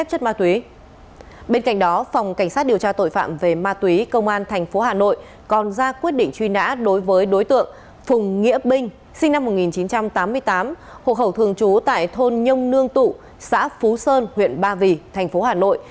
phùng nghĩa binh sinh năm một nghìn chín trăm tám mươi tám hộ khẩu thường trú tại thôn nhông nương tụ xã phú sơn huyện ba vì thành phố hà nội